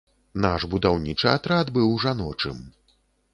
Наш будаўнічы атрад быў жаночым.